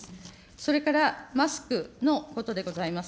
それからマスクのことでございます。